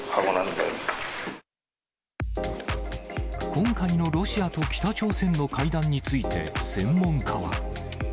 今回のロシアと北朝鮮の会談について専門家は。